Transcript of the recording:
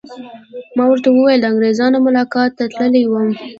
ما ورته وویل: د انګریزانو ملاقات ته تللی وم.